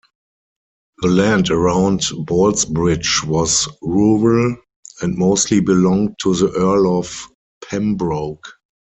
The land around Ballsbridge was rural, and mostly belonged to the Earl of Pembroke.